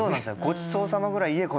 「ごちそうさま」ぐらい言え！